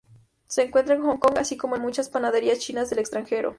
Se encuentra en Hong Kong así como en muchas panaderías chinas del extranjero.